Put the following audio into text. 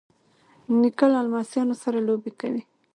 نیکه له لمسیانو سره لوبې کوي.